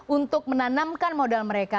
untuk menanamkan modal mereka